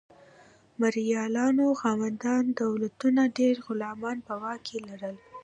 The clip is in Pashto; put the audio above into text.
د مرئیانو خاوندان دولتونه ډیر غلامان په واک کې لرل.